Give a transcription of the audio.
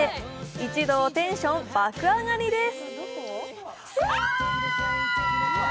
一同、テンション爆上がりです！